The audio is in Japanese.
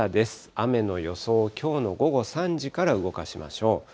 雨の予想、きょうの午後３時から動かしましょう。